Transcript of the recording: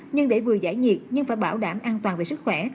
nhưng để vừa giải nhiệt nhưng phải bảo đảm an toàn về sức khỏe